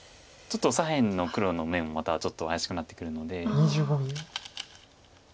左辺の黒の眼もまたちょっと怪しくなってくるので。